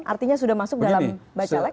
artinya sudah masuk dalam bacalek